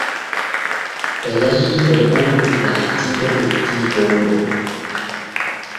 Ɓe jahii to Buubu laatiiɗo dottiijo wuro.